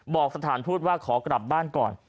บอกสถานทูตว่าขอกลับบ้านก่อน